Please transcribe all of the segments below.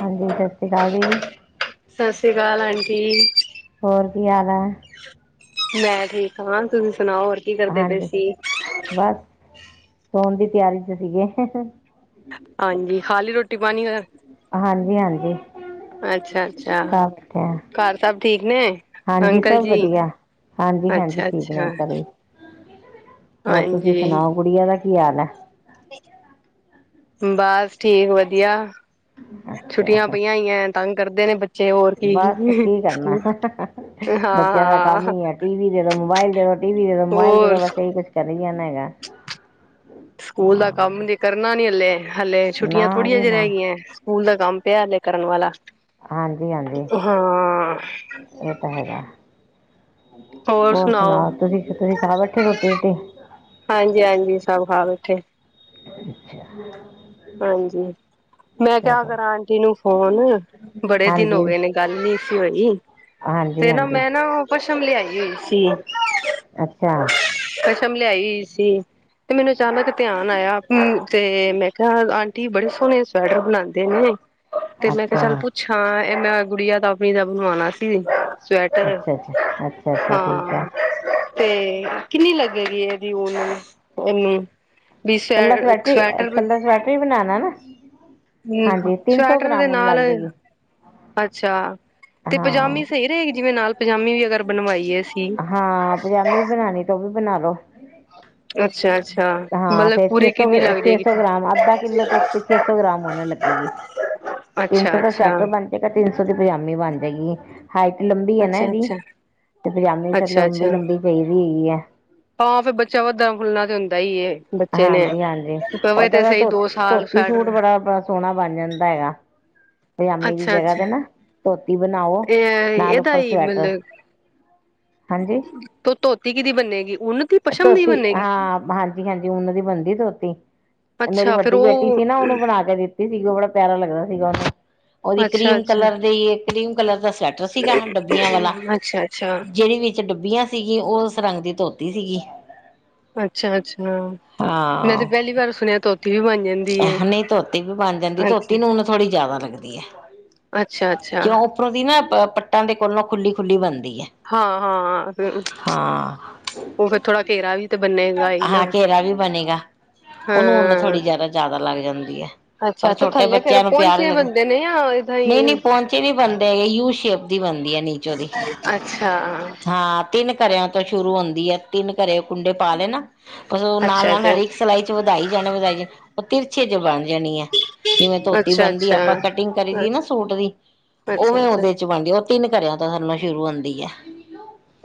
ਹਾਂਜੀ ਸਸ ਸ੍ਰੀ ਕਾਲ ਜੀ। ਸੱਸ ਸੀ ਕਾਲ ਆਂਟੀ। ਹੋਰ ਕੀ ਹਾਲ ਹੈ। ਮੈਂ ਠੀਕ ਹਾਂ ਤੁਸੀਂ ਸੁਣਾਓ ਹੋਰ ਕੀ ਕਰਦੇ ਪਏ ਸੀ। ਸੋਣ ਦੀ ਤਿਆਰੀ ਚ ਸੀਗੇ। ਹਾਂਜੀ ਖਾਲੀ ਰੋਟੀ-ਪਾਣੀ ਹੋਰ। ਹਾਂਜੀ ਹਾਂਜੀ ਅੱਛਾ- ਅੱਛਾ ਖਾ ਬੈਠੇ ਆ ਘਰ ਸਭ ਠੀਕ ਨੇ ਹਾਂਜੀ ਅੰਕਲ ਸਭ ਜੀ ਵਧੀਆ ਹਾਂਜੀ ਹਾਂਜੀ ਅੱਛਾ ਠੀਕ ਨੇ -ਅੱਛਾ ਅੰਕਲ ਵੀ ਹੋਰ ਤੁਸੀਂ ਹਾਂਜੀ ਸੁਣਾਓ ਗੁੜੀਆਂ ਦਾ ਕੀ ਆ ਨਾ ਬਸ ਠੀਕ ਵਧੀਆ ਛੁੱਟੀਆਂ ਅੱਛਾ ਪਈਆਂ ਹੀਈਆਂ ਤੰਗ ਕਰਦੇ ਨੇ ਬ ਬਸ ਕੀ ਕਰਨਾ ਹਾਂ ਬੱਚਿਆਂ ਦਾ ਕੰਮ ਹਾਂ ਹੀ ਹੈ ਟੀ ਵੀ ਦੇ ਮੋਬਾਇਲ [unintelligible] ਟੀ ਵੀ ਤੇ ਮੋਬਾਇਲ ਤੇ ਹੋਰ ਤਾਂ ਬਸ ਇਹੀ ਕੁਛ ਕਰ ਹੀ ਜਾਣਾ ਹੈਗਾ ਹਾਂ ਲੇ ਹਲੇ ਛੁੱਟੀਆਂ ਨਾ ਥੋੜੀਆਂ ਜੀ ਜਿਹੇ ਨਾ ਹੈਗੀਆਂ ਸਕੂਲ ਦਾ ਕੰਮ ਪਿਆ ਹਲੇ ਕਰਨ ਵਾਲਾ ਹਾਂਜੀ- ਹਾਂਜੀ ਹਾਂ ਇਹ ਤਾਂ ਹੈਗਾ ਹੋਰ ਸੁਣਾ ਤੁਸੀਂ ਤੁਸੀਂ ਖਾ ਬੈਠੇ ਰੋਟੀ ਰੂਟੀ ੱਠ ਅੱਛਾ ਹਾਂਜੀ ਮੈਂ ਕ ਚਲੋ ਕਰਾਂ ਆਂਟੀ ਨੂੰ ਫੋਨ ਬੜੇ ਦਿਨ ਹੋ ਹਾਂਜੀ ਗਏ ਨੇ ਗੱਲ ਨੀ ਸੀ ਹੋਈ ਹਾਂਜੀ ਤੇ ਨਾ ਹਾਂਜੀ ਮੈਂ ਨਾ ਉਹ ਪਸ਼ਮ ਲਿਆਈ ਹੋਈ ਸੀ ਅੱਛਾ ਪਸ਼ ਮ ਲਿਆਈ ਸੀ ਤੇ ਮੈਨੂੰ ਅਚਾਨਕ ਧਿਆਨ ਆਇਆ ਤੇ ਆਂਟੀ ਬੜੇ ਸੋਹਣੇ ਸਵੈਟਰ ਬਣਾਉਂ ਤੇਨੇ ਤੇ ਮੈਂ ਕਿਹਾ ਅੱਛਾ ਚੱਲ ਪੁੱਛਾਂ ਇਹ ਮੈਂ ਗੁੜੀਆ ਤਾਂ ਆਪਣੀ ਦਾ ਬਣਵਾਉਣਾ ਸੀ ਸਵੈਟਰ ਅੱਛਾ ਅੱਛਾ ਅੱਛਾ ਅੱਛਾ ਠੀਕ ਹੈ ਹਾਂ ਤੇ ਕਿੰਨੀ ਲੱਗੇਗੀ ਇਹਦੀ ਨੂੰ ਇਹਨੂੰ ਵੀ ਕਲਾ ਸਵੈ ਸਵੈਟਰੀ ਕਲਾ ਸਵੈਟ ਵੀ ਬਣਾਉਣਾ ਨਾ ਹਮ ਹਾਂਜੀ ਤਿੰਨ ਸੌ ਸਵੈਟਰ ਦੇ ਗ੍ਰਾਮ ਹੁਣ ਨਾਲ ਲੱਗ ਜਾਏਗੀ ਅੱਛਾ ਤੇ ਹਾਂ ਪਜਾਮੀ ਸਹੀ ਰਹੇਗੀ ਜਿਵੇਂ ਨਾਲ ਪਜਾਮੀ ਵੀ ਅਗਰ ਬਣਵਾਈ ਸੀ ਹਾਂ ਪਜਾਮੀ ਬਣਾਉਣੀ ਤਾਂ ਉਹ ਵੀ ਬਣਾ ਲੋ ਅੱਛਾ-ਅੱਛਾ ਮਤਲਬ ਫਿਰ ਛੇ ਪੂਰੇ ਸੌ ਕਿੰਨੀ ਲੱਗ ਛੇ ਜਾਏਗੀ ਸੌ ਗ੍ਰਾਮ ਅੱਧਾ ਕਿੱਲੋ ਤੋਂ ਉੱਤੇ ਛੇ ਸੌ ਗ੍ਰਾਮ ਹੋਣ ਲੱਗੇਗੀ ਤਿੰਨ ਅੱਛਾ ਅੱਛਾ ਸੌ ਦਾ ਸਵੈਟਰ ਬਣ ਜਾਗਾ ਤਿੰਨ ਸੌ ਪ ਪੰਜਾਮੀ ਬਣ ਹੈਗੀ ਹਾਈਟ ਲੰਬੀ ਹੈ ਨਾ ਅੱਛਾ ਅੱਛਾ ਇਹਦੀ ਤੇ ਪਜਾਮੀ ਸਰ ਅੱਛਾ ਲੰਬੀ ਅੱਛਾ ਲੰਬੀ ਚਾਹੀਦੀ ਹੈਗੀ ਆ ਹਾਂ ਫਿਰ ਬੱਚਾ ਵੱਧਦਾ ਫੁੱਲਣਾ ਤੇ ਹੁੰਦਾ ਹੀ ਏ ਬੱਚੇ ਨੇ ਹਾਂਜੀ-ਹਾਂਜੀ ਪਵੇ ਓਦ ਤੇ ਦਾ ਸਹੀ ਧੋ ਦੋ ਸਾਲ ਧੋਤੀ ਸੂਟ ਸਵੈਟਰ ਬੜਾ ਸੋਹਣਾ ਬਣ ਜਾਂਦਾ ਹੈਗਾ ਪਾਮੀ ਦੀ ਅੱਛਾ ਜਗ੍ਹਾ ਅੱਛਾ ਤੇ ਨਾ [inaudible] ਇਹ ਨਾਲ ਇਹਦਾ ਉੱਪਰ ਹੀ ਸਵੈਟਰ ਮਤਲਬ ਹਾਂਜੀ ਧ ਧੋਤੀ ਕਿਹਦੀ ਬੰਨੇਗੀ ਉਨ ਦੀ ਪਸ਼ਮ ਦੀ ਬੰਨੇਗੀ ੰਧ ਧੋਤੀ ਮੇਰੀ ਅੱਛਾ ਫੇਰ ਵੱਡੀ ਬੇਟੀ ਉਹ ਸੀ ਨਾ ਉਹਨੂੰ ਬਣਾ ਕੇ ਦਿੱਤੀ ਸੀਗੀ ਉਹ ਬੜਾ ਪਿਆਰਾ ਲੱਗਦਾ ਸੀਗਾ ਉਹਨੂੰ ਉਹਦੀ ਅੱਛਾ ਕਰੀਮ ਅੱਛਾ ਕਲਰ ਦੇ ਇੱਕ ਕਰੀਮ ਕਲਰ ਦਾੱਸ ਸੈਟਰ ਸੀਗਾ ਡੱਬੀਆਂ ਵਾਲਾ ਅੱਛਾ ਅੱਛਾ ਜਿਹੜੀ ਵਿੱਚ ਡੱਬੀਆਂ ਸੀਗੀ ਉਹ ਰੰਗ ਦੀ ਧੋਤੀ ਸੀਗੀ ਅੱਛਾ-ਅੱਛਾ ਹਾਂ ਬਣ ਜਾਂਦੀ ਏ ਨਹੀਂ ਧੋਤੀ ਵੀ ਬਣ ਜਾਂਦੀ ਧੋਤੀ ਅੱਛਾ ਨੂੰ ਹੁਨੂੰ ਥੋੜੀ ਜਿਆਦਾ ਲੱ ਲੱਦੀ ਹੈ ਅੱਛਾ-ਅੱਛਾ, ਕਿਉਂ ਉ ਪ੍ਰਤੀ ਨਾ ਪਟਾਂ ਦੇ ਕੋਲੋਂ ਖੁੱਲੀ-ਖੁੱਲੀ ਬਣਦੀ ਹੈ। ਹਾਂ-ਹਾਂ ਹਾਂ ਉਹ ਫਿਰਰ ਥੋੜਾ ਘੇਰਾ ਵੀ ਤੇ ਬੰਨੇਗਾ ਨਾ ਹਾਂ ਘੇਰਾ ਵੀ ਉਹਨੂੰ ਉਨ ਹਾਂ, ਥੋੜੀ ਜਿਆਦਾ ਜਿਆਦਾ ਲੱਗ ਜਾਂਦੀ ਹੈ ਪਰ ਅੱਛਾ ਤੇ ਛੋਟੇ ਥੱਲੇ ਫੇਰ ਬੱਚਿਆਂ ਨੂੰ ਪਿਆਰ ਹੀ ਪਹੁੰਚੇ ਲੱਗ ਬੰਦੇ ਨੇ ਜਾਂ ਏਦਾਂ ਨਹੀਂ ਹੀ ਨਹੀਂ ਪਹੁੰਚੇ ਨੀ ਬੰਦੇ ਹੈਗੇ ਖੁਸ਼ ਅ ਆਪਦੀੀ ਬਦਾ ਨੀਚੋ ਦੀ ਅੱਛਾ, ਹਾਂ ਤਿੰਨ ਘਰਿਆਂ ਤੋਂ ਸ਼ੁਰੂ ਹੁੰਦੀ ਆ ਤਿੰਨ ਘਰੇ ਕੁੰਡੇ ਪਾ ਲਏ ਨਾ ਨਾਲ-ਨਾਲ ਅੱਛਾ-ਅੱਛਾ, ਹਰੇਕ ਸਿਈ ਚ ਵਧਾਈ ਜਾਣੇ ਵਧਾਈ ਜਾ ਤਿਰਚੇ ਜਵਾਨ ਜਾਣੀ ਹੈ ਜਿਵੇਂ ਧੋਤੀ ਬਣਦੀ ਅੱਛਾ-ਅੱਛਾ, ਆਪਾਂ ਕਟਿੰਗ ਕਰੀ ਦੀ ਨਾ ਸੂਟ ਦੀ ਉਵੇਂ ਅੱਛਾ-ਅੱਛਾ। ਉਹਦੇ ਚ ਬਣਦੀ ਤਿੰਨ ਘਰਿਆਂ ਤਾਂ ਸਾਨੋਂ ਸ਼ੁਰੂ ਹੁੰਂਦੀ ਹੈ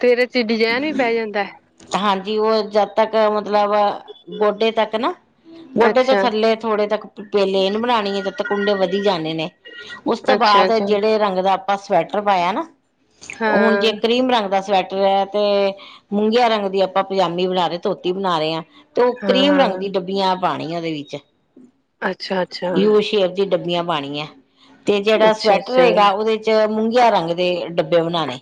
ਤੇ ਇਹਦੇ ਚ ਡਿਜ਼ਾਇਨ ਵੀ ਪੈ ਜਾਂਦਾ ਹੈ ਹਾਂਜੀ ਉਹ ਜਦ ਤੱਕ ਮਤਲਬ ਗੋਡੇ ਤੱਕ ਨਾ ਗੋਡੇ ਤੋਂ ਅੱਛਾ, ਥੱਲੇ ਥੋੜੇ ਤੱਕ ਪੇਲੇੇਨ ਬਣਾਉਣੀ ਹੈ ਤੇ ਤ ਕੁੰਡੇ ਵਧੀ ਜਾਣੇ ਨੇ ਉਸ ਤੋਂ ਬਾਅਦ ਅੱਛਾ-ਅੱਛਾ, ਜਿਹੜੇ ਰੰਗ ਦਾ ਆਪਾਂ ਸਵੈਟਰ ਪਾਇਆ ਨਾ ਹੁਣ ਜੇ ਹਾਂ-ਹਾਂ, ਕਰੀਮ ਰੰਗ ਦਾ ਸਵੈਟਰ ਤੇ ਮੂੰਗੀਆਂ ਰੰਗ ਦੀ ਆਪਾਂ ਪਜਾਮੀ ਬਣਾ ਰਹੇ ਧੋਤੀ ਬਣਾ ਰਹੇ ਹਾਂ ਤੇ ਕਰੀਮ ਰੰਗ ਦੀ ਡੱਬੀਆਂ ਪਾਣੀ ਉਹਦੇ ਵਿੱਚ ਅੱਛਾ-ਅੱਛਾ, ਅੱਛਾ-ਅੱਛਾ, [unintelligible] ਡੱਬੀਆਂ ਪਾਣੀਆਂ ਤੇ ਅੱਛਾ ਜਿਹੜਾ ਅੱਛਾ ਸਵੈਟਰ ਹੈਗਾ ਅੱਛਾ ਉਹਦੇ ਚ ਮੂੰਗਿਆ ਰੰਗ ਦੇ ਡੱਬੇ ਬਣਾਣੇ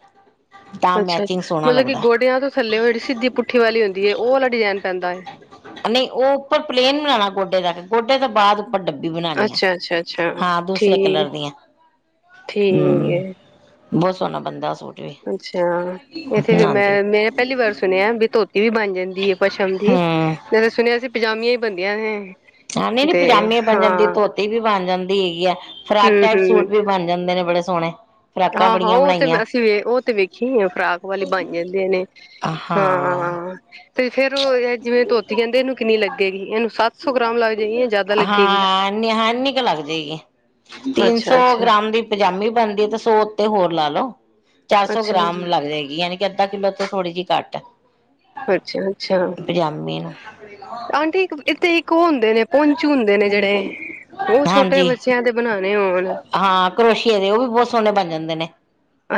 ਅੱਛਾ ਮਤਲਬ ਕਿ ਗੋਡਿਆਂ ਤੋਂ ਥੱਲੇ ਹੋਏ ਜਿਹੜੀ ਸਿੱਧੀ ਪੁੱਠੀ ਵਾਲੀ ਹੁੰਦੀ ਹੈ ਉਹ ਵਾਲਾ ਡਿਜਾਇਨ ਪੈਂਦਾ ਹੈ ਨਹੀਂ ਉਹ ਉੱਪਰ ਪਲੇਨ ਬਣਾਉਣਾ ਗੋਡੇ ਦਾ ਗੋਢੇ ਤੋਂ ਬਾਅਦ ਉੱਪਰ ਡੱਬੀ ਬਣਾਉਣੀ ਆ ਅੱਛਾ-ਅੱਛਾ, ਅੱਛਾ ਅੱਛਾ ਹਾਂ ਦੂਸਰੇ ਠੀਕ ਕਲਰ ਦੀਆਂ ਠੀਕ ਹਮ ਏ ਬਹੁਤ ਸੋਹਣਾ ਬੰਦਾ ਉਸ ਸੂਟ ਵੀ ਅੱਛਾ ਇੱਥੇ ਫ ਹਾਂਜੀ ਮੈਂ ਮੈਂ ਪਹਿਲੀ ਵਾਰ ਸੁਣਿਆ ਵੀ ਧੋਤੀ ਵੀ ਬਣ ਜਾਂਦੀ ਹੈ ਪਸ਼ਮ ਦੀ ਹਮ ਮ ਸੁਣਿਆ ਸੀ ਪਜਾਮੀਆਂ ਬੰਦੀਆਂ ਏਂਂ ਹਾਂ ਨਹੀਂ-ਨਹੀਂ ਪਜਾਮੇ ਬਣ ਜਾਂਦੇ ਧੋਤੀ ਵੀ ਬਣ ਜਾਂਦੀ ਹੈਗੀ ਆ ਫਰਾਕ ਟੈਪ ਸੂਟ ਵੀ ਬਣ ਜਾਂਦੇ ਨੇ ਬੜੇ ਸੋਹਣੇ ਫਰਾਕਾਂ ਹਾਂ-ਹਾਂ ਬੜੀਆਂ ਉਹ ਤੇ ਬਣਾਈਆਂ ਅਸੀਂ ਉਹ ਤੇ ਵੇਖੀ ਫਰਾਕ ਵਾਲੀ ਬਣ ਜਾਂਦੀ ਨੇ ਹਾਂ ਤੇ ਫੇਰ ਉਹ ਜਿਵੇਂ ਧੋਤੀ ਕਹਿੰਦੇ ਇਹਨੂੰ ਕਿੰਨੀ ਲੱਗੇਗੀ ਇਹਨੂੰ ਸੱਤ ਸੋ ਹਾਂ ਨ ਇੰਨੀ ਕੁ ਲੱਗ ਜਾਏਗੀ ਤਿੰਨ ਅੱਛਾ ਸੌ ਅੱਛਾ ਗ੍ਰਾਮ ਦੀ ਪਜਾਮੀ ਬਣਦੀ ਤੇ ਸੋ ਉੱਤੇ ਹੋਰ ਲਾ ਲੋਓ ਚਾਰ ਸੌ ਅੱਛਾ ਗ੍ਰਾਮ ਲੱਗ ਜਾਏਗੀ ਯਾਨੀ ਕਿ ਅੱਧਾ ਕਿੱਲੋ ਤੋਂ ਥੋੜ੍ਹੀ ਜਿਹੀ ਘੱਟ ਅੱਛਾ-ਅੱਛਾ ਪਜਾਮੀ ਨੂੰ ਆਂਟੀ ਇੱਥੇ ਇੱਕ ਉਹ ਹੁੰਦੇ ਨੇ ਪਹੁੰਚ ਹੁੰਦੇ ਨੇ ਜਿਹੜੇ ਉਹ ਛੋਟੇ ਹਾਂਜੀ ਬੱਚਿਆਂ ਦੇ ਬਣਾਉਣੇ ਹੋਣ ਹਾਂ ਕਰੋਸ਼ੀਏ ਦੇ ਉਹ ਵੀ ਬਹੁਤ ਸੋਹਣੇ ਬਣ ਜਾਂਦੇ ਨੇ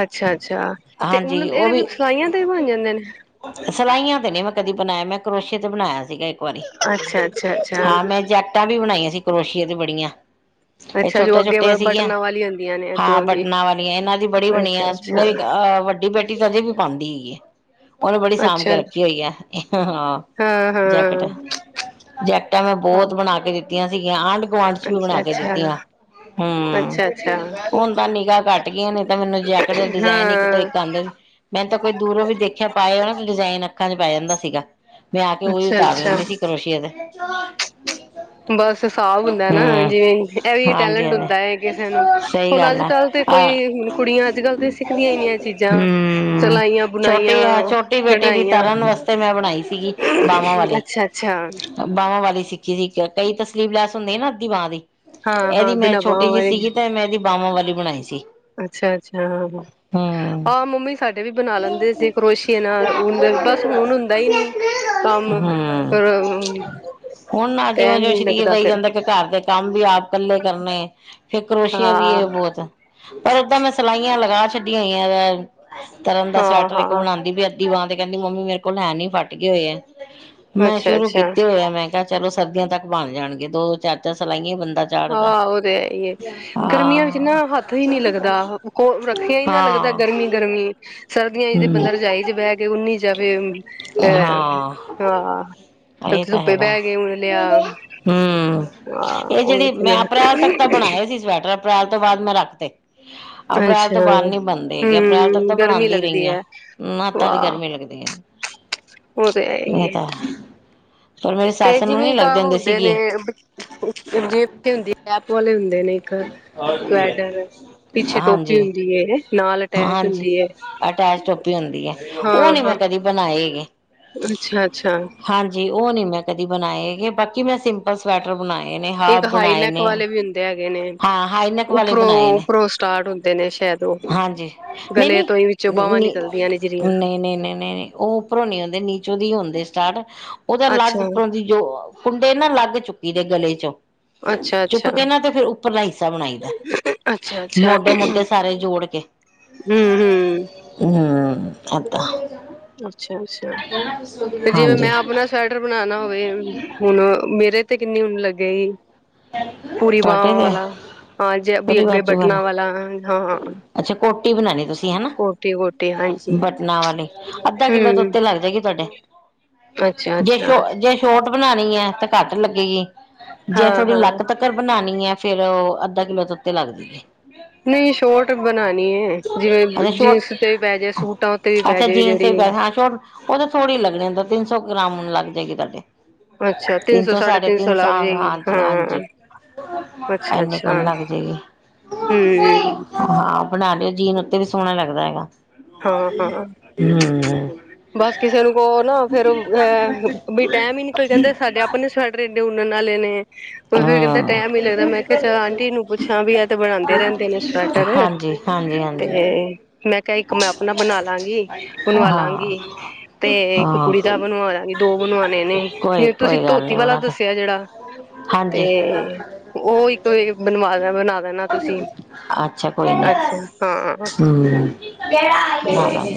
ਅੱਛਾ-ਅੱਛਾ ਤੇ ਹਣ ਹਾਂਜੀ ਉਹ ਇਹਦੇ ਵੀ ਸਲਾਈਆਂ ਤੇ ਬਣ ਜਾਂਦੇ ਨੇ ਸਲਾਈਆਂ ਤੇ ਨੇ ਮੈਂ ਕਦੀ ਬਣਾਇਆ ਮੈਂ ਕਰੋਸੀ਼ਏ ਤੇ ਬਣਾਇਆ ਸੀਗਾ ਇੱਕ ਵਾਰੀ ਅੱਛਾ-ਅੱਛਾ-ਛ ਹਾਂ ਮੈਂ ਜੈਕਟਾਂ ਵੀ ਬਣਾਈਆਂ ਸੀ ਕਰੋਸ਼ੀਆ ਤੇ ਬੜੀਆਂ ਇਹ ਅੱਛਾ ਜੋ ਅੱਗੇ ਛੋਟੇ-ਛੋਟੇ ਸੀਗੀਆਂ ਬਟਨਾਂ ਵਾਲੀ ਹੁੰਦੀਆਂ ਨੇ ਹਾਂ ਅੱਗੋਂ ਦੀ ਬਟਨਾ ਵਾਲੀਆਂ ਇਹਨਾਂ ਦੀ ਬੜੀ ਬਣੀ ਆ ਅੱਛਾ-ਅੱਛਾ ਮੇਰੀ ਵੱਡੀ ਬੇਟੀ ਤਾਂ ਅਜੇ ਵੀ ਪਾਉਂਦੀ ਏ ਉਹ ਤੇ ਬੜੀ ਸਾਂਭ ਕੇ ਅੱਛਾ ਰੱਖੀ ਹੋਈ ਆ ਹਾਂ ਜੈਕਟ ਹਾਂ-ਹਾਂ ਜੈਕ ਮੈਂ ਹਾਂ ਬਹੁਤ ਬਣਾ ਕੇ ਦਿੱ ਆਂ ਸੀਗੀਆਂ ਆਂਢ ਗੁਆਂਢ ਚ ਵੀ ਬਣਾ ਕੇ ਅੱਛਾ-ਅੱਛਾ ਦਿੱਤੀਆਂ ਹਮ ਅੱਛਾ-ਅੱਛਾ ਹੁਣ ਤਾਂ ਨਿਗਾਹ ਘੱਟ ਗਈਆਂ ਨੇ ਤਾਂ ਮੈਨੂੰ ਜੈਕਟ ਦੇ ਡਿਜਾਇਨ ਇੱਕ ਤੋਂ ਹਾਂ ਇੱਕ ਆਉਂਦੇ ਮੈਂ ਤਾਂ ਕੋਈ ਦੂਰੋਂ ਵੀ ਦੇਖਿਆ ਪਾਏ ਉਹ ਨਾ ਡਿਜ਼ਾਇਨ ਅੱਖਾਂ ਚ ਪੈ ਜਾਂਦਾ ਸੀਗਾ ਮੈਂ ਆ ਕੇ ਉਹੀ ਉਤਾਰ ਅੱਛਾ-ਅੱਛਾ ਲੈਂਦੀ ਸੀ ਕਰੋਸ਼ੀਏ ਦੇ [inaudible] ਬਸ ਸਾਬ ਹੁੰਦਾ ਨਾ ਜਿਵੇਂ ਇਹ ਵੀ ਹਾਂਜੀ ਟੈਲੈਂਟ ਹੁੰਦਾ ਹਾਂਜੀ ਹੈ ਕਿਸੇ ਨੂੰ ਸਹੀ ਹੁਣ ਗੱਲ ਅੱਜ ਆ ਕੱਲ ਤੇ ਆ ਕੋਈ ਕੁੜੀਆਂ ਅੱਜ ਕੱਲ ਤੇ ਸਿੱਖਦੀਆਂ ਹੀ ਨੀ ਆਂ ਚੀਜ਼ਾਂ ਹੂੰ ਸਲਾਈਆਂ, ਛੋਟੀ ਬੁਣਾਈਆਂ, ਛੋਟੀ ਬੇਟੀ ਦੀ ਕਢਾਈਆਂ ਤਰਨ ਵਾਸਤੇ ਮੈਂ ਬਣਾਈ ਸੀਗੀ ਬਾਹਵਾਂ ਵਾਲੀ ਅੱਛਾ-ਅੱਛਾ। ਬਾਹਵਾਂ ਵਾਲੀ ਸਿੱਖੀ ਸੀ ਕਈ ਤ ਸਲੀਵਲੈਸ ਹੁੰਦੀ ਸੀ ਨਾ ਅੱਧੀ ਬਾਂਹ ਦੀ। ਹਾਂ-ਹਾਂ ਇਹਦੀ ਮੈਂ ਬਿਨਾਂ ਬਾਂਹ ਛੋਟੀ ਜਿਹੀ ਵਾਲੇ ਸੀਗੀ ਤਾਂ ਮੈਂ ਇਹਦੀ ਬਾਵਾਂ ਵਾਲੀ ਬਣਾਈ ਸੀ। ਅੱਛਾ-ਅੱਛਾ ਹਾਂ ਹੂੰ ਹਹ ਮੰਮੀ ਸਾਡੇ ਵੀ ਬਣਾ ਲੈਂਦੇ ਸੀ ਕਰੋਸ਼ੀਏ ਨਾਲ ਹੁਣ ਬਸ ਹੁਣ ਹੁੰਦਾ ਹੀ ਨੀ ਕੰਮ ਹੂੰ ਕਰ ਹੁਣ ਨਾ ਜਿਉਂ ਜਿਉਂ ਸਰੀਰ ਰਹੀ ਜਾਂਦਾ ਕਿ ਘਰ ਦੇ ਕੰਮ ਵੀ ਆਪ ਕੱਲੇ ਕਰਨੇ ਫਿਰ ਕਰੋਸੀਏ ਵੀ ਹਾਂ ਏ ਬਹੁਤ। ਪਰ ਓਦਾਂ ਮੈਂ ਸਿਲਾਈਆਂ ਲਗਾ ਛੱਡੀਆਂ ਹੋਈਆਂ ਵ ਤਰਨ ਦਾ ਸਵੈਟਰ ਇੱਕ ਹਾਂ-ਹਾਂ ਬਣਾਦੀ ਪਈ ਐ। ਅੱਧੀ ਬਾਂ ਦੇ ਕਹਿੰਦੀ ਮੰਮੀ ਮੇਰੇ ਕੋਲ ਹੈ ਨੀ ਫਟ ਗਏ ਹੋਏ ਆ। ਮੈਂ ਸ਼ੁਰੂ ਕੀ ਅੱਛਾ-ਅੱਛਾ ਤੇ ਹੋਇਆ ਮੈਂ ਕਿਹਾ ਚਲੋ ਸਰਦੀਆਂ ਤੱਕ ਬਣ ਜਾਣਗੇ ਦੋ ਚਾਰ-ਚਾਰ ਸਲਾਈਆਂ ਬੰ ਹਾਂ ਉਹ ਤੇ ਹੈ ਹੀ ਹੈ ਗਰਮੀਆਂ ਵਿੱਚ ਨਾ ਹਾਂ ਹੱਥ ਹੀ ਨੀ ਲੱਗਦਾ ਕੋ ਰੱਖਿਆ ਹੀ ਨਾ ਲੱਗਦਾ ਹਾਂ ਗਰਮੀ-ਗਰਮੀ ਸਰਦੀਆਂ ਚ ਤੇ ਹਮ ਬੰਦਾ ਰਜਾਈ ਚ ਬਹਿ ਕੇ ਓਨੀ ਜਾਵੇ ਅਹ ਹਾਂ ਹਾਂ ਇਹ ਤਾਂ ਧੁੱਪੇ ਹੈਗਾ ਬਹਿ ਕੇ ਉਣ ਲਿਆ ਹਮ ਹਾਂ ਇਹ ਉਹ ਜਿਹੜੀ ਤੇ ਨਾ ਅਪ੍ਰੈਲ ਤੱਕ ਤਾਂ ਬਣਾਇਆ ਸੀ ਸਵੈਟਰ ਅਪ੍ਰੈਲ ਤੋਂ ਬਾਅਦ ਮੈਂ ਰੱਖ ਤੇ। ਅਪ੍ਰੈਲ ਤੋਂ ਅੱਛਾ ਬਾਦ ਨੀ ਬਣਦੇ ਹੈਗੇ ਅਪ੍ਰੈਲ ਤੱਕ ਹੂੰ ਤਾਂ ਗਰਮੀ ਬਣਾਦੀ ਲੱਗਦੀ ਰਹੀ ਹੈ ਹੱਤਾਂ ਦੀ ਵਾਹ ਗਰਮੀ ਲੱਗਦੀ ਏ ਉਹ ਤੇ ਹੈ ਹੀ ਇਹ ਤਾਂ ਹੈ। ਪਰ ਮੇਰੀ ਤੇ ਸੱਸ ਨੂੰ ਜਿਵੇ ਨੀ ਲੱਗਦੇ ਹੁੰਦੇ ਨੇ ਸੀਗੇ [inaudible] ਵਾਲੇ ਹੁੰਦੇ ਨੇ ਇੱਕ ਸਵੈਟਰ ਪਿੱਛੇ ਟੋਪੀ ਹਾਂਜੀ ਹੁੰਦੀ ਹੈ ਨਾਲ ਅਟੈਚ ਹਾਂਜੀ ਹੁੰਦੀ ਹੈ ਅਟੈਚ ਟੋਪੀ ਹੁੰਦੀ ਹੈ ਉਹ ਨੀ ਮੈਂ ਹਾਂ-ਹਾਂ ਕਦੀ ਬਣਾਏ ਹੈਗੇ ਅੱਛਾ-ਅੱਛਾ। ਹਾਂਜੀ ਉਹ ਨੀ ਮੈਂ ਕਦੀ ਬਨਾਏ ਹੇਗੇ ਬਾਕੀ ਮੈਂ ਸਿੰਪਲ ਸਵੈਟਰ ਬਨਾਏ ਨੇ ਹਾਫ ਇੱਕ ਬਣਾਏ ਹਾਈਨੈਕ ਨੇ ਵਾਲੇ ਵੀ ਹੁੰਦੇ ਹੈਗੇ ਨੇ ਹਾਂ ਹਾਈ ਨੇਕ ਵਾਲੇ ਉੱਪਰੋਂ ਬਣਾਏ ਨੇ, ਉੱਪਰੋਂ ਸਟਾਰਟ ਹੁੰਦੇ ਨੇ ਸ਼ਾਇਦ ਉਹ ਹਾਂਜੀ ਗਲੇ ਨਹੀਂ-ਨਹੀਂ, ਤੋਂ ਹੀ ਵਿੱਚੋਂ ਬਾਹਵਾਂ ਨੀ ਨਿਕਲਦੀਆਂ ਨੇ ਜਿਹੜੀਆਂ ਨਹੀਂ-ਨਹੀ, ਨਹੀਂ ਉਹ ਉਪਰੋਂ ਨ ਹੁੰਦੇ ਨੀਚੋ ਦੀ ਹੁੰਦੇ ਸਟਾਰਟ। ਅਲੱਗ ਅੱਛਾ ਉੱਪਰੋਂ ਦੀ ਜੋ ਕੁੰਡੇ ਨਾ ਲੱਗ ਚੁੱਕੀ ਦੇ ਗਲੇ ਚੋਂ। ਅੱਛਾ ਚੁੱਕ ਅੱਛਾ ਕੇ ਨਾ ਤੇ ਫਿਰ ਉੱਪਰਲਾ ਹਿੱਸਾ ਬਣਾਈ ਦਾ ਅੱਛਾ ਅੱਛਾ ਮੋਢੇ-ਮੂਡੇ ਸਾਰੇ ਜੋੜ ਕੇ ਹਮ ਹਮ ਹਮ। ਹੈ ਤਾਂ ਅੱਛਾ। ਅੱਛਾ, ਤੇ ਜਿਵੇਂ ਮੈਂ ਹਾਂਜੀ ਆਪਣਾ ਸਵੈਟਰ ਬਨਾਨਾ ਹੋਵੇ ਹੁਣ ਮੇਰੇ ਤੇ- ਕਿੰਨੀ ਉਣ ਲੱਗੇਗੀ? ਪੂਰੀ ਤੁਹਾਡੇ ਬਾਂਵਾਂ ਤੇ ਵਾਲਾ, ਹਾਂ ਜੇ ਵੀ ਪੂਰੀ ਅੱਗੇ ਬਾਜੂ ਬਟਨਾ ਵਾਲਾ ਹਾਂ। ਅੱਛਾ ਕੋਟੀ ਬਨਾਣੀ ਤੁਸੀ? ਹੈਨਾ- ਕੋਟੀ ਕੋਟੀ ਹਾਂਜੀ ਬਟਨਾਂ ਵਾਲੀ, ਅੱਧਾ ਕਿੱਲੋ ਤੋ ਹੂੰ ਉਤੇ ਲੱਗ ਜਾਏਗੀ ਤੁਹਾਡੇ, ਅੱਛਾ ਜੇ ਅੱਛਾ ਸ਼ੋਟ ਜੇ ਸ਼ੋਟ ਬਣਾਣੀ ਹੈ 'ਤੇ ਘੱਟ ਲੱਗੇਗੀ ਜੇ- ਹਾਂ ਥੋੜੀ ਹਾਂ ਲੱਕ ਤੱਕਨ ਬਣਾਣੀ ਹੈ? ਫੇਰ ਉਹ, ਅੱਧਾ ਕਿੱਲੋ ਤੋ ਉਤੇ ਲਗਜੇਗੀ। ਨਹੀਂ ਸ਼ੋਟ ਬਣਾਣੀ ਏ, ਜਿਵੇਂ ਅੱਛਾ ਸ਼ੋਟ ਜੀਨਸ ਤੇ ਵੀ ਪੈ ਜਾਏ, ਸੂਟਾਂ ਉਤੇ ਵੀ ਪੈ ਅੱਛਾ ਜੇ ਜੀਨਸ ਦੇ ਜਿਹੜੀ। ਪੈਸੇ, ਹਾਂ ਸ਼ੋਟ ਉਹ ਤਾਂ ਥੋੜ੍ਹੀ ਲੱਗਣੀ, ਓ ਤਾਂ ਤਿੰਨ ਸੌ ਗ੍ਰਾਮ ਲੱਗ ਜਾਏਗੀ ਤਾਡੀ। ਅੱਛਾ ਤਿੰਨ ਸੌ- ਸਾਢੇ ਤਿੰਨ ਸੌ ਲੱਗ ਜੇਗੀ। ਹਾਂਜੀ ਹਾਂਜੀ, ਇਨੀ ਕੁ ਅੱਛਾ ਲਗ ਜਏਗੀ, ਹੂੰ ਹਾਂ। ਬਣਾ ਲਿਓ, ਜੀਨ ਉੱਤੇ ਵੀ ਸੋਹਣਾ ਲੱਗਦਾ ਹੈਗਾ। ਹਾਂ ਹਾਂ, ਹਮ ਬਸ ਕਿਸੇ ਨੂੰ ਕਹੋ ਨਾ ਫੇਰ ਓ ਐ ਬਈ ਟਾਈਮ ਹੀ ਨਿਕਲ ਜਾਂਦੈ, ਸਾਡੇ ਆਪਣੇ ਸਵੈਟਰ ਹੀ ਇਹਨੇ ਉਣਨ ਆਲੇ ਨੇ। ਉਹ ਫਿਰ ਕਹਿੰਦਾ ਹਮ ਟੈਮ ਨੀ ਲੱਗਦਾ ਮੈਂ ਕਿਹਾ ਚਲ ਆਂਟੀ ਨੂੰ ਪੁੱਛਾਂ ਵੀ ਆਹ ਤੇ ਬਣਾਦੇ ਰਹਿੰਦੇ ਨੇ ਸਵੈਟਰ, ਹਾਂਜੀ ਹਾਂਜੀ ਤੇ ਹਾਂਜੀ ਮੈਂ ਮੈਂ ਆਪਣਾ ਬਣਾ ਤ ਹਾਂ ਬਣਵਾਲਾਂਗੀ, ਤੇ ਇੱਕ ਹਾਂ ਕੁੜੀ ਦਾ ਬਣਵਾ ਲਾਂਗੀ, ਦੋ ਬਣਵਾਣੇ ਨੇ, ਕੋਈ ਤੇ ਤੁਸੀਂ ਕੋਈ ਗੱਲ ਧੋਤੀ ਨੀ ਵਾਲਾ ਬਣਾ ਦੱਸਿਆ ਜਿਹੜਾ, ਤੇ ਹਾਂਜੀ ਉਹ ਇੱਕ ਬਣਵਾ ਬਣਾ ਦੇਣਾ ਤੁਸੀਂ। ਅੱਛਾ ਕੋਈ ਨੀ ਅੱਛਾ, ਹਾਂ। ਹਮ [unintelligible] ਤੇ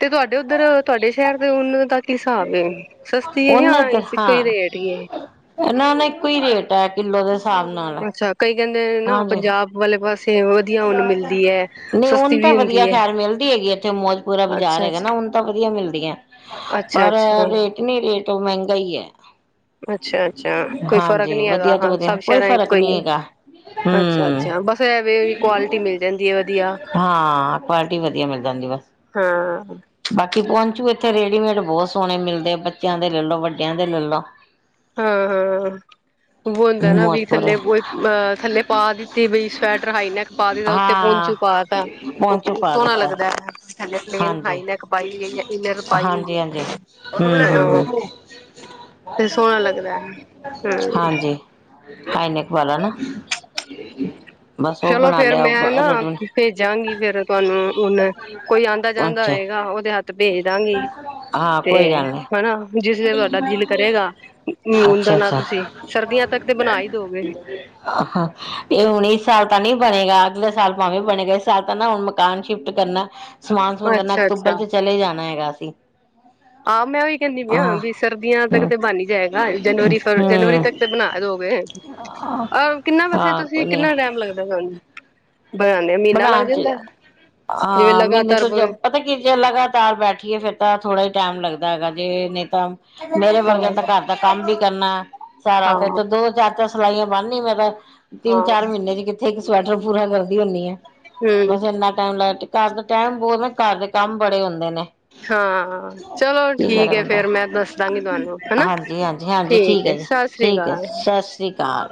ਤੇ ਤੁਹਾਡੇ ਉੱਧਰ, ਤੁਹਾਡੇ ਸ਼ਹਿਰ ਦੇ ਉਣ ਤਾਂ ਹਿਸਾਬ ਏ? ਸਸਤੀ ਏ ਯਾਂ ਉਹਨੇ ਤੇ ਇੱਕੋ ਹੀ ਹਾਂ ਰੇਟ ਈ ਏ? ਇਹਨਾਂ ਨਾ ਇੱਕੋ ਹੀ ਰੇਟ ਹੈ ਕਿੱਲੋ ਦੇ ਹਿ ਹਿਸਾਬ ਨਾਲ। ਅੱਛਾ ਕਈ ਕਹਿੰਦੇ ਨੇ ਨਾ ਹਾਂਜੀ ਪੰਜਾਬ ਵਾਲੇ ਪਾਸੇ ਵਧੀਆ ਉਨ ਮਿਲਦੀ ਐ, ਸਸਤੀ ਵੀ ਹੁੰਦੀ ਐ। ਐਥੇ ਮੌਜਪੁਰਾ ਬਾਜ਼ਾਰ ਅੱਛਾ ਹੈਗਾ ਅੱਛਾ ਨਾ ਉੱਨ ਤਾਂ ਵਧੀਆ ਮਿਲਦੀਆਂ, ਅੱਛਾ ਪਰ ਅੱਛਾ। ਰੇਟ ਨੀ ਰੇਟ ਤੋਂ ਮਹਿੰਗਾ ਹੀ ਐ। ਅੱਛ -ਅੱਛਾ ਕੋਈ ਫ਼ਰਕ ਨੀ ਹੈਗਾ ਵਧੀਆ ਤੋਂ ਹਾਂ, ਵਧੀਆ ਸਭ ਕੋਈ ਸ਼ਹਿਰਾਂ ਫ਼ਰਕ ਇੱਕੋ ਹੀ ਨਹੀਂ ਏ। ਹੈਗਾ ਹਮ ਅੱਛਾ-ਅੱਛਾ ਬਸ ਇਹ ਵੇ ਕੁਆਲਿਟੀ ਮਿਲ ਜਾਂਦੀ ਏ ਵਧੀਆ, ਹਾਂ ਕੁਆਲਿਟੀ ਵਧੀਆ ਮਿਲ ਜਾਂਦੀ ਬਸ ਹਾਂ-ਹਾਂ। ਬਾਕੀ ਪਹੁੰਚੂ ਇੱਥੇ ਰੇਡੀਮੇਡ ਬਹੁਤ ਸੋਹਣੇ ਮਿਲਦੇ ਆ ਬੱਚਿਆਂ ਦੇ ਲੈਲੋ ਵੱਡਿਆਂ ਦੇ ਲੈਲੋ ਹਾਂ-ਹਾਂ, ਉਹ ਹੁੰਦਾ ਨਾ ਵੀ ਮੌਜਪੁਰ ਥੱਲੇ ਬੁ ਥੱਲੇ ਪਾ ਦਿੱਤੀ ਬਈ ਸਵੈਟਰ ਹਾਈਨੈਕ ਪਾ ਦਿੱਤਾ, ਉਤੇ ਹਾਂ ਪੌਂਚੁ ਪਾ ਤਾ ਉਹ ਪਹੁੰਚੂ ਪਾ ਸੋਹਣਾ ਦਿੱਤਾ ਲੱਗਦਾ। ਥੱਲੇ ਪਲੇਨ ਹਾਂਜੀ, ਹਾਈਨੈਕ ਪਾਈ ਹੋਈ ਹੈ ਜਾਂ ਇਨਰ ਪਾਈ ਹੋਈ ਹਾਂਜੀ, ਹਾਂਜੀ ਹੈ ਹੂੰ, ਹੂੰ, ਹੂੰ ਲੱਗਦਾ ਹੈ ਹਮ ਹਾਂਜੀ। ਹਾਈਨੇਕ ਵਾਲਾ ਨਾ [inaudible] ਉਹ ਚਲੋ ਬਣਾ ਫੇਰ ਲਿਆ ਮੈਂ ਨਾ ਰੈਡੀ ਭੇਜਾਂਗੀ ਫੇਰ ਤੁਹਾਨੂੰ ਹੁਣ ਕੋਈ ਆਉਂਦਾ ਜਾਂਦਾ ਅੱਛਾ ਹੋਏਗਾ ਉਹਦੇ ਹੱਥ ਭੇਜ ਦਾਂਗੀ ਹਾਂ ਤੇ ਕੋਈ ਗੱਲ ਨੀ ਹੈਨਾ ਜਿਸ ਤੁਹਾਡਾ ਦਿਲ ਕਰੇਗਾ ਮੂਣ ਦਾ ਅੱਛਾ, ਨ ਅੱਛਾ ਤੁਸੀਂ ਸਰਦੀਆਂ ਤੱਕ ਤੇ ਬਣਾ ਹੀ ਦੋਗੇ ਹਾਂ ਇਹ ਹੁਣ ਇਸ ਸਾਲ ਤਾਂ ਨਹੀ ਬਣੇਗਾ ਅਗਲੇ ਸਾਲ ਭਾਵੇਂ ਬਣੇਗਾ ਇਸ ਸਾਲ ਤਾਂ ਨਾ ਹੁਣ ਮਕਾਨ ਸ਼ਿਫਟ ਕਰਨਾ ਸਮਾਨ ਸਮੂ ਕਰਨਾ ਅੱਛਾ ਅਕਤੂਬਰ ਅੱਛਾ ਚ ਜਾਣਾ ਹੈਗਾ ਅਸੀਂ ਆਹ ਮੈਂ ਉਹੀ ਕਹਿੰਦੀ ਵੀ ਆ ਹਾਂ ਵੀ ਸਰਦੀਆਂ ਤੱਕ ਹੂੰ, ਤੇ ਬਣ ਹੀ ਜਾਏਗਾ ਜਨਵਰੀ ਫ ਜਨਵਰੀ ਹੂੰ ਤੱਕ ਤੇ ਬਣਾ ਦੋਗੇਹ ਕਿੰਨਾ ਵੈਸੇ ਤੁਸੀਂ ਕਿੰਨਾ ਟਾਈਮ ਲੱਗਦਾ ਤੁਹਾਨੂੰ ਬਣਾਦੇ ਮਹੀਨਾ ਲੱਗ ਬਣਾਉਣ ਚ ਜਾਂਦਾ ਜਿਵੇਂ ਹਾਂ ਮਹੀਨੇ ਲਗਾਤਾਰ ਤੋਂ ਬਵੇ ਪਤਾ ਕੀ ਜੇ ਲਗਾਤਾਰ ਬੈਠੀਏ ਫਿਰ ਤਾਂ ਥੋੜ੍ਹਾ ਹੀ ਟਾਈਮ ਲੱਗ- ਗ ਜੇ ਨਹੀ ਤਾਂ ਮੇਰੇ ਹਾਂ ਵਰਗਿਆਂ ਤਾਂ ਘਰ ਦਾ ਕੰਮ ਵੀ ਕਰਨਾ ਸਾਰਾ ਹਾਂ ਫੇਰ ਤੇ ਚੋ ਚਾਰ ਦਸ ਸਿਲਾਈਆਂ ਬਣਨੀ ਮੈਂ ਤਾਂ ਤਿੰਨ ਹਾਂ ਚਾਰ ਹਮ ਮਹੀਨੇ ਚ ਕਿੱਥੇ ਇੱਕ ਸਵੈਟਰ ਪੂਰਾ ਕਰਦਾ ਹੁੰਦੀਏ ਬਸ ਇੰਨਾ ਟਾਈਮ ਲੱਗ ਘਰ ਦਾ ਟਾਈਮ ਬਹੁਤ ਨੇ ਘਰ ਦੇ ਕੰਮ ਬੜੇ ਹੁੰਦੇ ਨੇ ਹਾਂ ਚਲੋ ਕੀ ਠੀਕ ਕਰੇ ਹੈ ਬੰਦਾ ਫੇਰ ਮੈਂ ਦੱਸਦਾਂਗੀ ਤੁਹਾਨੂੰ ਹੈਨਾ ਹਾਂਜੀ ਹਾਂਜੀ ਹਾਂਜੀ ਠੀਕ ਹੈ ਜੀ ਸਤਿ ਸ੍ਰੀ ਠੀਕ ਹੈ ਅਕਾਲ ਸਤਿ ਸ੍ਰੀ ਅਕਾਲ